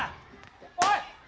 おい！